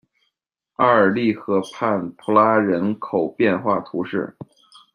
阿尔利河畔普拉人口变化图示